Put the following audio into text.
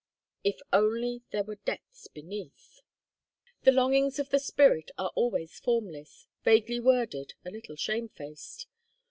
If only there were depths beneath. The longings of the spirit are always formless, vaguely worded, a little shamefaced.